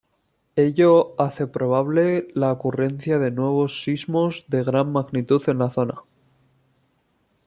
Ello hace probable la ocurrencia de nuevos sismos de gran magnitud en la zona.